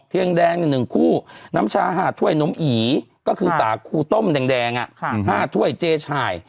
แดงแดง๑คู่น้ำชา๕ถ้วยนมอีก็คือสาคูต้มแดง๕ถ้วยเจชาย